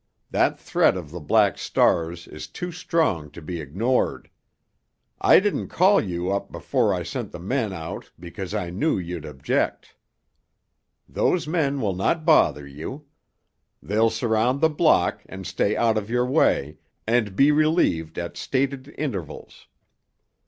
That threat of the Black Star's is too strong to be ignored. I didn't call you up before I sent the men out because I knew you'd object. Those men will not bother you. They'll surround the block and stay out of your way, and be relieved at stated intervals.